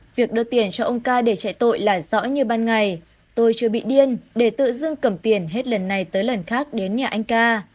việc đưa tiền cho ông ca để chạy tội là rõ như ban ngày tôi chưa bị điên để tự dưng cầm tiền hết lần này tới lần khác đến nhà anh ca